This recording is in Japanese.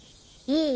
いい？